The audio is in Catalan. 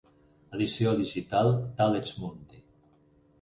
Edició digital d'Alex Mundy.